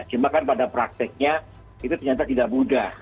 cuma kan pada prakteknya itu ternyata tidak mudah